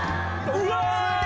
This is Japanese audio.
うわ！